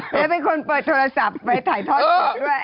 แล้วเป็นคนเปิดโทรศัพท์ไปถ่ายทอดสดด้วย